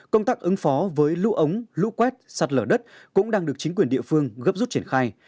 công tác ứng phó với lũ ống lũ quét sạt lở đất cũng đang được chính quyền địa phương gấp rút triển khai